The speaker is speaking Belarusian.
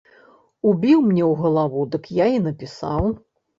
Убіў мне ў галаву, дык я і напісаў.